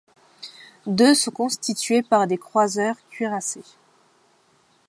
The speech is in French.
Deux sont constituées par des croiseurs cuirassés.